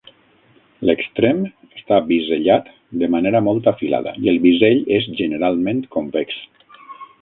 L'extrem està bisellat de manera molt afilada i el bisell és generalment convex.